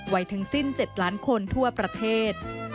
ไว้ทั้งสิ้น๗ล้านคนทั่วประเทศ